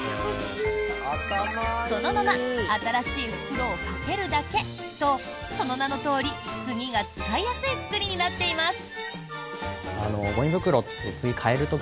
そのまま新しい袋をかけるだけとその名のとおり次が使いやすい作りになっています。